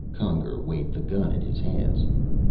Conger weighed the gun in his hands.